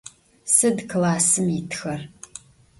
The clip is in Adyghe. Sıd klassım yitxer?